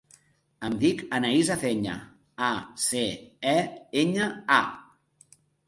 Em dic Anaïs Aceña: a, ce, e, enya, a.